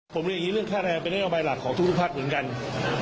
ผมเรียนอย่างนี้เรื่องค่าแรงเป็นนโยบายหลักของทุกภาคเหมือนกัน